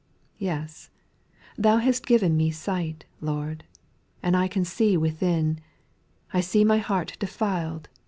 6. Yes I Thou hast given me sight. Lord, And I can see within ; I see my heart defiled.